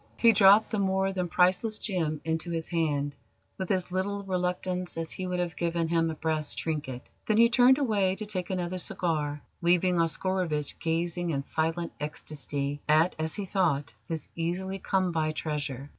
He dropped the more than priceless gem into his hand with as little reluctance as he would have given him a brass trinket. Then he turned away to take another cigar, leaving Oscarovitch gazing in silent ecstasy at, as he thought, his easily come by treasure.